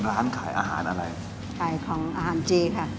อาหารเจค่ะ